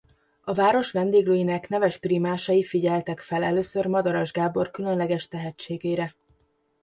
A város vendéglőinek neves prímásai figyeltek fel először Madaras Gábor különleges tehetségére.